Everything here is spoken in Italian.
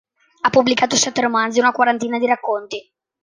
Ha pubblicato sette romanzi e una quarantina di racconti.